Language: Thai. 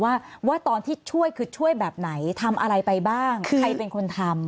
ว่าตอนที่ช่วยคือช่วยแบบไหนทำอะไรไปบ้างใครเป็นคนทำ